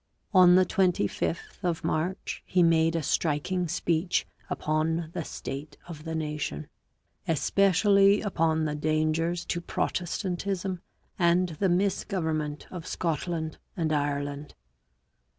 On the 25th of March he made a striking speech upon the state of the nation, especially upon the dangers to Protestantism and the misgovernment of Scotland and Ireland.